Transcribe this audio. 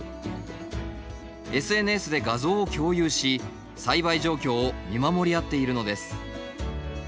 ＳＮＳで映像を共有し栽培状況を見守り合っているのです。